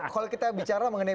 kalau kita bicara mengenai